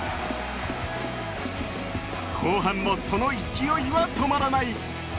後半もその勢いは止まらない。